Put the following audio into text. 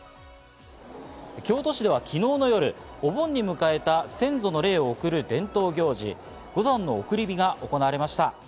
京都市では昨日の夜、お盆に迎えた先祖の霊を送る伝統行事、五山送り火が行われました。